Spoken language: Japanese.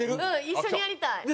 一緒にやりたい。